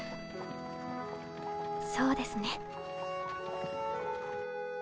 そうですね。